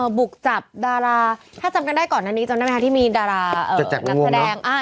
บุกจับดาราถ้าจำกันได้ก่อนอันนี้จำได้ไหมคะที่มีดารานักแสดง